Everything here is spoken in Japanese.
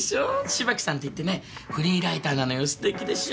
芝木さんて言ってねフリーライターなのよ素敵でしょ。